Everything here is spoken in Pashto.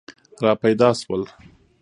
را پیدا شول.